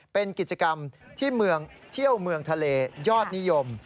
เป็นกิจกรรมที่เมืองเที่ยวเมืองทะเลยอดนิยม